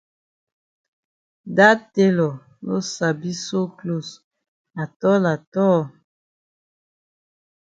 Dat tailor no sabi sew closs atol atol.